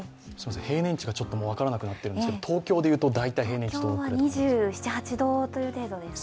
平年値が分からなくなっているんですけど東京でいうと平年値はどのくらいですか。